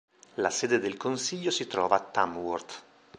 La sede del consiglio si trova a Tamworth.